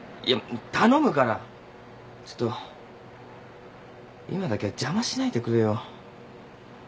いや頼むからちょっと今だけは邪魔しないでくれよ。